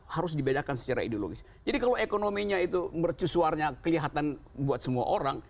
harus dibedakan secara ideologis jadi kalau ekonominya itu mercusuarnya kelihatan buat semua orang